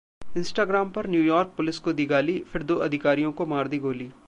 Instagram पर New York police को दी गाली, फिर दो अधिकारियों को मार दी गोली